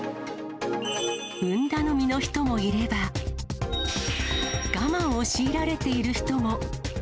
運頼みの人もいれば、我慢を強いられている人も。